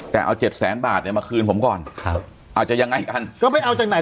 แต่เอาเจ็ดแสนบาทเนี่ยมาคืนผมก่อนครับอาจจะยังไงกันก็ไม่เอาจากไหน